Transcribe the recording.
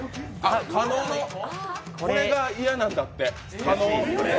これが嫌なんだって。